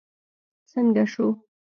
څنګه شو.